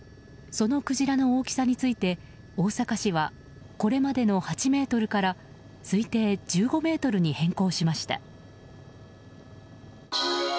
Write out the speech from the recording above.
そのクジラの大きさについて大阪市はこれまでの８ｍから推定１５ｍに変更しました。